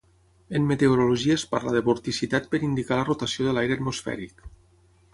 En meteorologia es parla de vorticitat per indicar la rotació de l'aire atmosfèric.